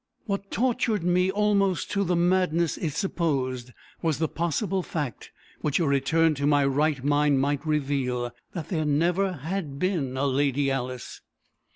What tortured me almost to the madness it supposed was the possible fact, which a return to my right mind might reveal that there never had been a Lady Alice.